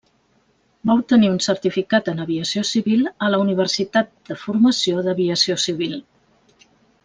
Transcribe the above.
Va obtenir un certificat en aviació civil a la Universitat de Formació d'Aviació Civil.